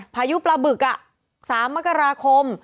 พายุปลาบึก๓มกราคม